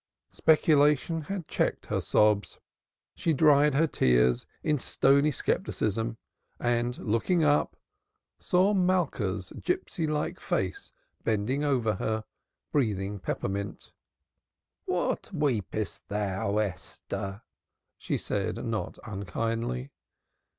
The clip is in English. Speculation had checked her sobs; she dried her tears in stony scepticism and, looking up, saw Malka's gipsy like face bending over her, breathing peppermint. "What weepest thou, Esther?" she said not unkindly.